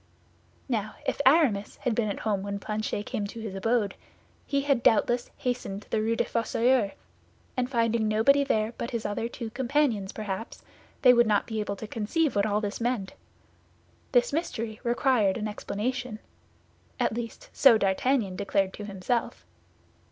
Now, if Aramis had been at home when Planchet came to his abode, he had doubtless hastened to the Rue des Fossoyeurs, and finding nobody there but his other two companions perhaps, they would not be able to conceive what all this meant. This mystery required an explanation; at least, so D'Artagnan declared to himself.